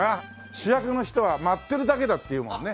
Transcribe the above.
主役の人は舞ってるだけだっていうもんね。